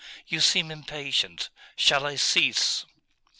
You seem impatient. Shall I cease?